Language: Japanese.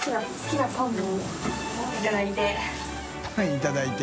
僖いただいて。